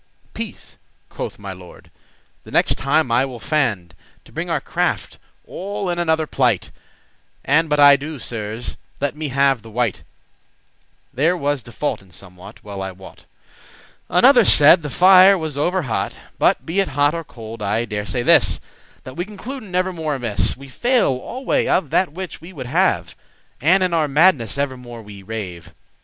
"Peace," quoth my lord; "the next time I will fand* *endeavour To bring our craft *all in another plight,* *to a different conclusion* And but I do, Sirs, let me have the wite;* *blame There was default in somewhat, well I wot." Another said, the fire was over hot. But be it hot or cold, I dare say this, That we concluden evermore amiss; We fail alway of that which we would have; And in our madness evermore we rave.